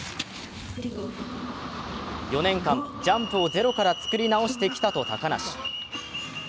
４年間、ジャンプをゼロから作り直してきたと高梨。